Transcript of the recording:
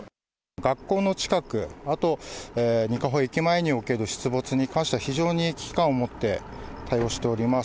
学校の近く、あと、にかほ駅前における出没に関しては、非常に危機感を持って対応しております。